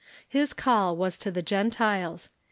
His call was to the Gentiles.